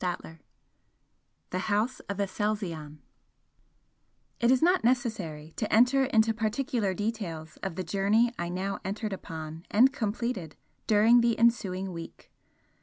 XIII THE HOUSE OF ASELZION It is not necessary to enter into particular details of the journey I now entered upon and completed during the ensuing week.